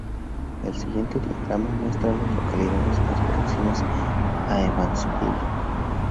El siguiente diagrama muestra a las localidades más próximas a Evansville.